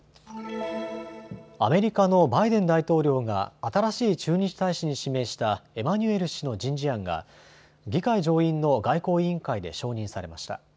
アメリカのバイデン大統領が新しい駐日大使に指名したエマニュエル氏の人事案が議会上院の外交委員会で承認されました。